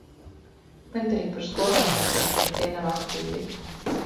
Tagad arī par skolēniem saka, ka tie nav aktīvi.